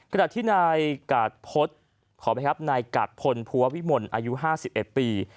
กระดาษที่นายกาศพลขอไปครับนายกาศพลภูววาวิมลอายุ๕๑ปี